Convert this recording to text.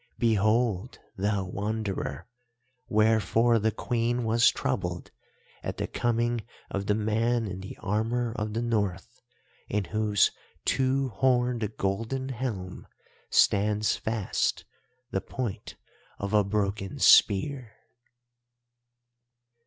Behold, thou Wanderer, wherefore the Queen was troubled at the coming of the man in the armour of the North, in whose two horned golden helm stands fast the point of a broken spear."